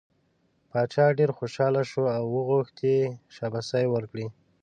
باچا ډېر خوشحاله شو او وغوښت یې چې شاباسی ورکړي.